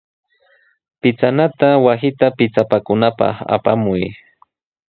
Pichanata wasita pichapakunapaq apamuy.